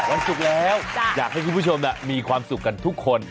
วันศุกร์แล้วอยากให้คุณผู้ชมมีความสุขกันทุกคน